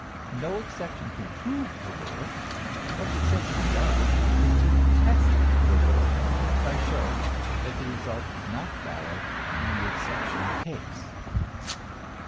No exception can prove a rule. What the exception does is to test the rule by showing that the result does not follow in the exceptional case.